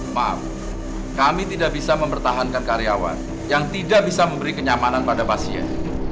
maaf kami tidak bisa mempertahankan karyawan yang tidak bisa memberi kenyamanan pada pasien